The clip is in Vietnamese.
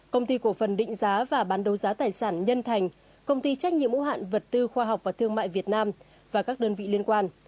công ty cổ phần định giá và bán đấu giá tài sản nhân thành công ty trách nhiệm hữu hạn vật tư khoa học và thương mại việt nam và các đơn vị liên quan